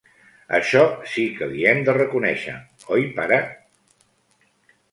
Això sí que l'hi hem de reconèixer, oi, pare?